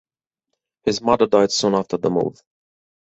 His mother died soon after the move.